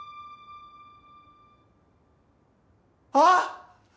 あっ！